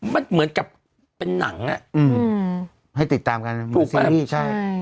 มันเหมือนกับเป็นหนังอ่ะอืมให้ติดตามกันถูกไหมพี่ใช่